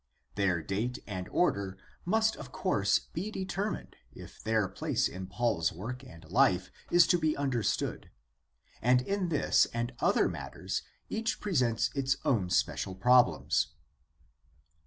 Their date and order must of course 1 86 GUIDE TO STUDY OF CHRISTIAN RELIGION be determined if their place in Paul's work and life is to be understood, and in this and other matters each presents its own special problems.